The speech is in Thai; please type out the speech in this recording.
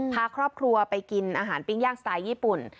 พาครอบครัวไปกินอาหารปิ้งย่างสไตล์ญี่ปุ่น